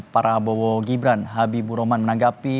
para bowo gibran habibu rohman menanggapi